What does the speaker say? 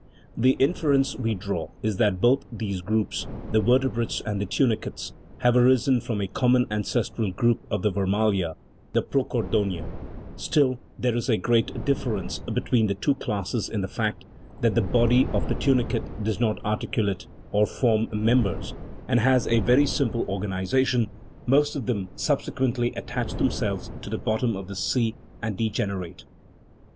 The inference we draw is that both these groups, the vertebrates and the tunicates, have arisen from a common ancestral group of the vermalia, the prochordonia* Still, there is a great difference between the two classes in the fact that the body of the * See chaps, xvi. and xvii. of my Anthropogeny. '65 THE RIDDLE OF THE UNIVERSE tunicate does not articulate, or form members, and has a very simple organization (most of them subsequently attach themselves to the bottom of the sea and degen erate).